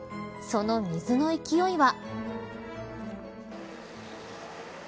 その水の勢いは。